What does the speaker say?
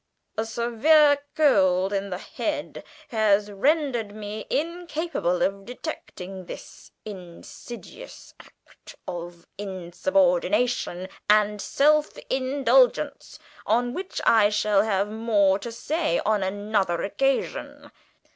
A severe cold in the head has rendered me incapable of detecting this insidious act of insubordination and self indulgence, on which I shall have more to say on another occasion.